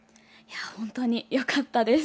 本当によかったです。